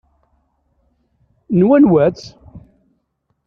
N wanwa-tt?